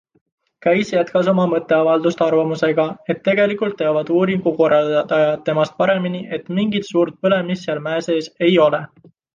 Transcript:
Käiss jätkas oma mõtteavaldust arvamusega, et tegelikult teavad uuringu korraldajad temast paremini, et mingit suur põlemist seal mäe sees ei ole.